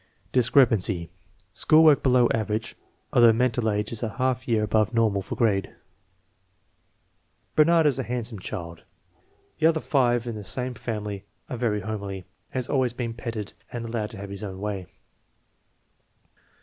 Discrepancy: School work below average, although men tal age is a half year above normal for grade. MENTAL AGE STANDARD FOR GRADING 105 Bernard is a handsome child; the other five in the same family are very homely. Has always been petted and al lowed to have his own way.